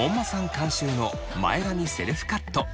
監修の前髪セルフカット。